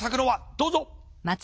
どうぞ。